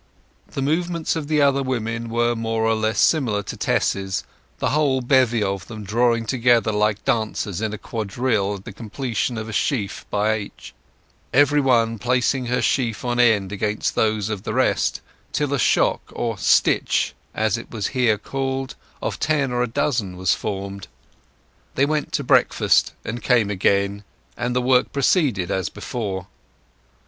The movements of the other women were more or less similar to Tess's, the whole bevy of them drawing together like dancers in a quadrille at the completion of a sheaf by each, every one placing her sheaf on end against those of the rest, till a shock, or "stitch" as it was here called, of ten or a dozen was formed. They went to breakfast, and came again, and the work proceeded as before.